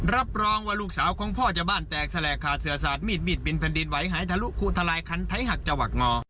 รับรองว่าลูกสาวของพ่อจะบ้านแตกแลกขาดเสือสาดมีดบินแผ่นดินไหวหายทะลุคูทลายคันไทยหักจวักงอ